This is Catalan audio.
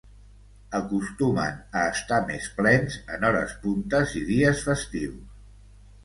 Acostumen a estar més plens en hores puntes i dies festius.